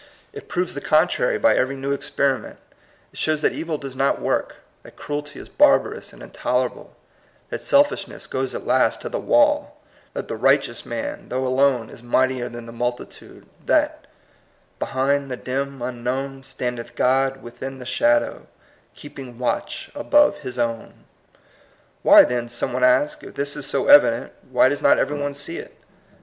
It proves 58 THE COMING PEOPLE. the oontaury by every new experiment. It shows that evil does not work, that cruelty is barbarous and intolerable, that selfishness goes at last to the wall, that the righteous man, though alone, is mightier than the multitude, that —<* behind the dim unknown Standeth God within the shadow, keeping watch above his own/' Why then, some one asks, if this is so evident, why does not every one see it?